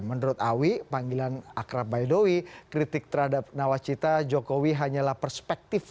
menurut awi panggilan akrab baidowi kritik terhadap nawacita jokowi hanyalah perspektif